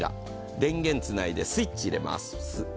電源つないでスイッチ入れます。